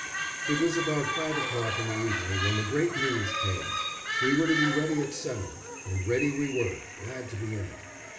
It was about five o'clock in the evening when the great news came. We were to be ready at seven, and ready we were, glad to be in it.